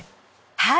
はい。